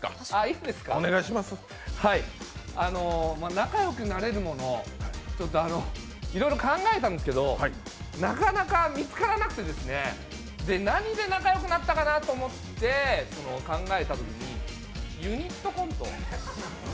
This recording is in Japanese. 仲良くなれるものいろいろ考えたんですけどなかなか見つからなくてですね、何で仲良くなったかなと思って考えたときにユニットコント。